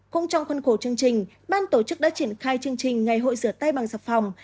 cùng trong khuân khổ chương trình ban tổ chức đã triển khai chương trình ngày hội rửa tay bằng sạc phòng